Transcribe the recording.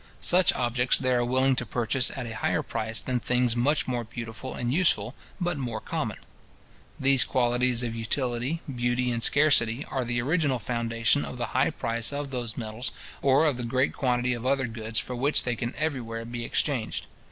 Such objects they are willing to purchase at a higher price than things much more beautiful and useful, but more common. These qualities of utility, beauty, and scarcity, are the original foundation of the high price of those metals, or of the great quantity of other goods for which they can everywhere be exchanged.